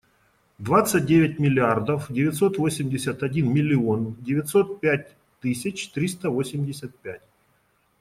Двадцать девять миллиардов девятьсот восемьдесят один миллион девятьсот пять тысяч триста восемьдесят пять.